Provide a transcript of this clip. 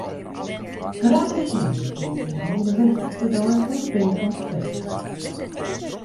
Tradisjoneel wie pinkstermoandei de wichtichste dei fan it Pinkpopfestival.